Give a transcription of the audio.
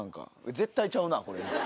絶対ちゃうなこれ。